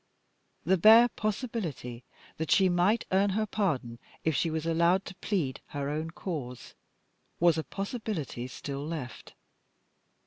The bare possibility that she might earn her pardon if she was allowed to plead her own cause was a possibility still left.